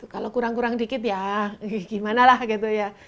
kalau kurang kurang dikit ya gimana lah gitu ya